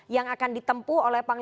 yang akan ditempuh oleh